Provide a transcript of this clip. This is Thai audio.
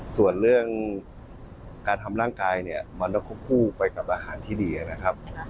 ส่วนเรื่องการทำร่างกายเนี่ยมันต้องควบคู่ไปกับอาหารที่ดีนะครับ